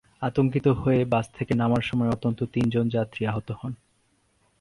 আতঙ্কিত হয়ে বাস থেকে নামার সময় অন্তত তিন যাত্রী আহত হন।